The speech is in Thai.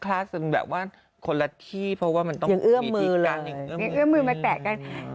คล้ายพลาดสึงแบบว่าคนละที่เพราะว่ามันต้องมีติดกัน